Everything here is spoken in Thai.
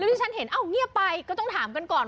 ที่ฉันเห็นเอ้าเงียบไปก็ต้องถามกันก่อน